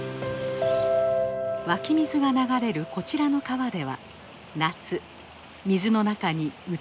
湧き水が流れるこちらの川では夏水の中に美しい風景が生まれます。